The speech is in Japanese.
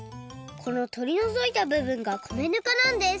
このとりのぞいたぶぶんが米ぬかなんです。